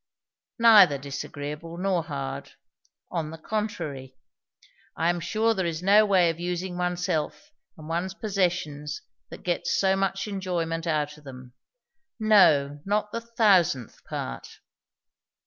"Neither disagreeable nor hard. On the contrary. I am sure there is no way of using oneself and one's possessions that gets so much enjoyment out of them. No, not the thousandth part."